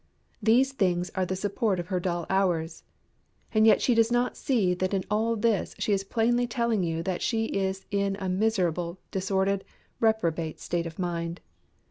These things are the support of her dull hours. And yet she does not see that in all this she is plainly telling you that she is in a miserable, disordered, reprobate state of mind.